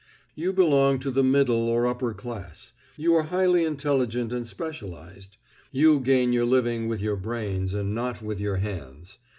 You belong to the middle or upper class. You are highly intelligent and specialised. You gain your living with your brains and not with your hands.